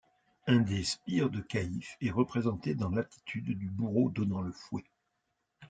Un des sbires de Caïfe est représenté dans l'attitude du bourreau donnant le fouet.